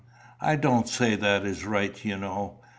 I don't say that is right, you know.